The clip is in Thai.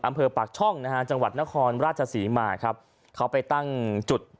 อำเภอปากช่องนะฮะจังหวัดนครราชศรีมาครับเขาไปตั้งจุด